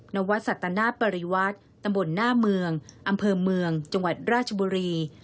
นวัดสัตนาปริวัติตำบลหน้าเมืองอำเภอเมืองจังหวัดราชบุรี